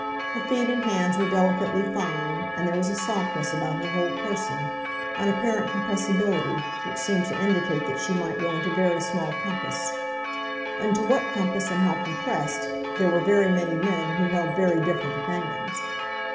Her feet and hands were delicately fine, and there was a softness about her whole person, an apparent compressibility, which seemed to indicate that she might go into very small compass. Into what compass and how compressed, there were very many men who held very different opinions.